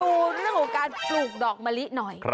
ดูเรื่องของการปลูกดอกมะลิหน่อย